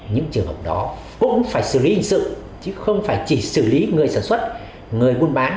những trường hợp đó cũng phải xử lý hình sự chứ không phải chỉ xử lý người sản xuất người buôn bán